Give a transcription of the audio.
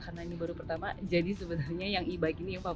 karena ini baru pertama jadi sebenarnya yang e bike ini favorit